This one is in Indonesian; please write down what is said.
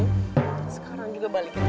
sekarang juga balikin